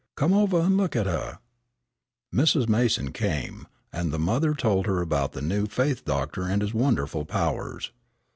"Come over an' look at huh." Mrs. Mason came, and the mother told her about the new faith doctor and his wonderful powers.